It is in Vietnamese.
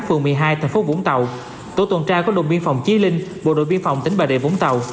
phường một mươi hai thành phố vũng tàu tổ tuần tra của đồn biên phòng chí linh bộ đội biên phòng tỉnh bà rịa vũng tàu